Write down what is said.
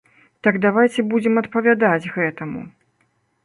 Так давайце будзем адпавядаць гэтаму.